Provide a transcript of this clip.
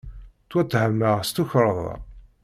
Ttwattehmeɣ s tukerḍa.